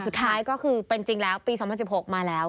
สุดท้ายก็คือเป็นจริงแล้วปี๒๐๑๖มาแล้ว